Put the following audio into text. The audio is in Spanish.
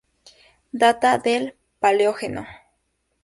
Data del Paleógeno